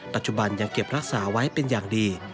ปัจจุบันยังเก็บรักษาไว้เป็นอย่างดี